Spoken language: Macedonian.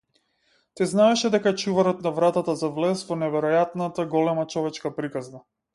Тој знаеше дека е чуварот на вратата за влез во неверојатната голема човечка приказна.